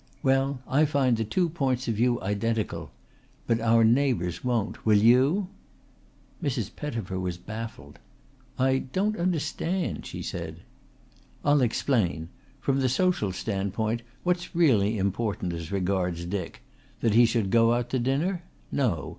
Well, I find the two points of view identical. But our neighbours won't. Will you?" Mrs. Pettifer was baffled. "I don't understand," she said. "I'll explain. From the social standpoint what's really important as regards Dick? That he should go out to dinner? No.